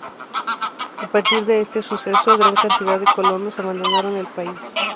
A partir de este suceso, gran cantidad de colonos abandonaron el país.